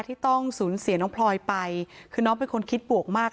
ที่ต้องสูญเสียน้องพลอยไปคือน้องเป็นคนคิดบวกมาก